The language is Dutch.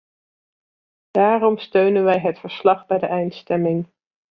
Daarom steunen wij het verslag bij de eindstemming.